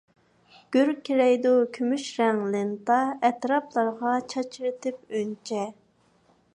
گۈركىرەيدۇ كۈمۈش رەڭ لېنتا، ئەتراپلارغا چاچرىتىپ ئۈنچە.